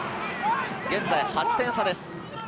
現在８点差です。